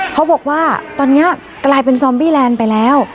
เขาบอกว่าตอนนี้กลายเป็นซอมบี้แลนด์ไปแล้ว